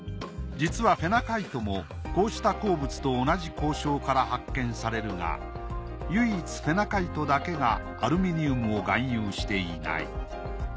実はフェナカイトもこうした鉱物と同じ鉱床から発見されるが唯一フェナカイトだけがアルミニウムを含有していない。